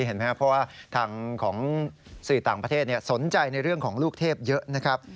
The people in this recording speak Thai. เห็นไหมครับเพราะว่าทางของสื่อต่างประเทศสนใจในเรื่องของลูกเทพเยอะนะครับ